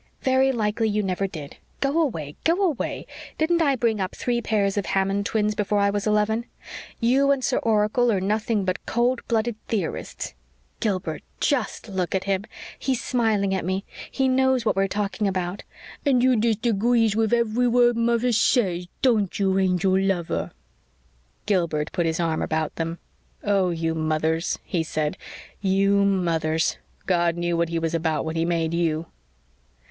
"Very likely you never did. Go away go away. Didn't I bring up three pairs of Hammond twins before I was eleven? You and Sir Oracle are nothing but cold blooded theorists. Gilbert, JUST look at him! He's smiling at me he knows what we're talking about. And oo dest agwees wif evy word muzzer says, don't oo, angel lover?" Gilbert put his arm about them. "Oh you mothers!" he said. "You mothers! God knew what He was about when He made you."